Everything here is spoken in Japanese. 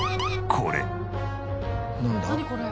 これ。